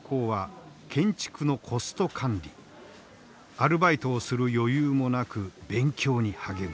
アルバイトをする余裕もなく勉強に励む。